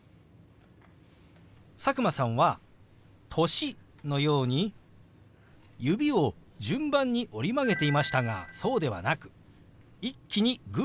佐久間さんは「歳」のように指を順番に折り曲げていましたがそうではなく一気にグーの形にするんです。